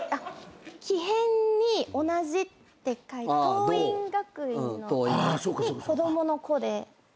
きへんに同じって桐蔭学園の。に子供の子で。